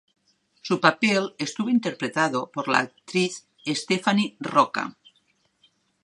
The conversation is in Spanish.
Su papel estuvo interpretado por la actriz Stefania Rocca.